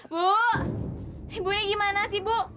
bu ibunya gimana sih bu